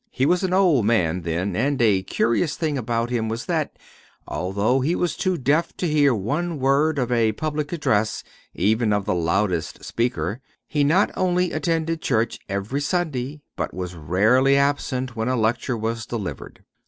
He was an old man then; and a curious thing about him was that, although he was too deaf to hear one word of a public address, even of the loudest speaker, he not only attended church every Sunday, but was rarely absent when a lecture was delivered.